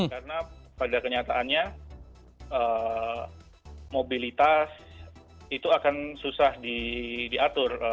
karena pada kenyataannya mobilitas itu akan susah diatur